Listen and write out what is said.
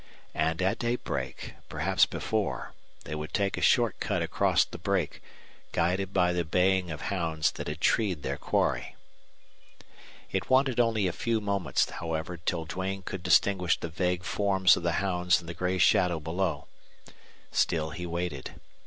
And at daybreak, perhaps before, they would take a short cut across the brake, guided by the baying of hounds that had treed their quarry. It wanted only a few moments, however, till Duane could distinguish the vague forms of the hounds in the gray shadow below. Still he waited.